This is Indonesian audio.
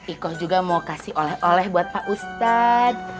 ikos juga mau kasih oleh oleh buat pak ustaz